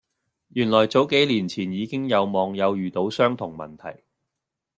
原來早幾年前已經有網友遇到相同問題